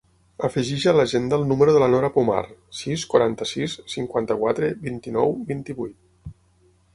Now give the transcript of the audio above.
Afegeix a l'agenda el número de la Nora Pomar: sis, quaranta-sis, cinquanta-quatre, vint-i-nou, vint-i-vuit.